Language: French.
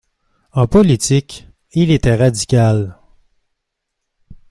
En politique, il était radical.